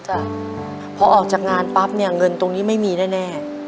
จ้ะพอออกจากงานปั๊บเนี่ยเงินตรงนี้ไม่มีแน่แน่